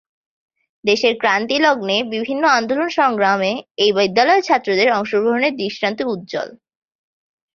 দেশের ক্রান্তি লগ্নে বিভিন্ন আন্দোলন সংগ্রামে এই বিদ্যালয়ের ছাত্রদের অংশগ্রহণের দৃষ্টান্ত উজ্জল।